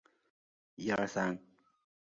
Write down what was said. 利口乐在瑞士有六个展示花园。